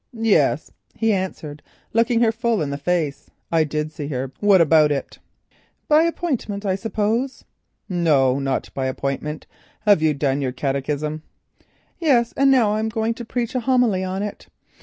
"Yes," he answered, looking her full in the face, "I did see her, what about it?" "By appointment, I suppose." "No, not by appointment. Have you done your catechism?" "Yes—and now I am going to preach a homily on it.